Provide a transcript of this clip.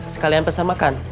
sekalian pesan makan